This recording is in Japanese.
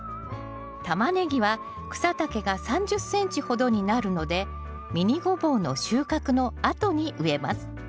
タマネギは草丈が３０ｃｍほどになるのでミニゴボウの収穫のあとに植えます。